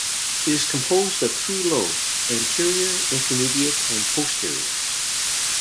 It is composed of three lobes: anterior, intermediate, and posterior.